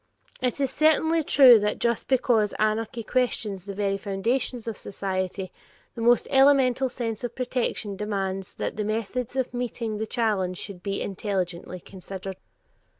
It is certainly true that just because anarchy questions the very foundations of society, the most elemental sense of protection demands that the method of meeting the challenge should be intelligently considered.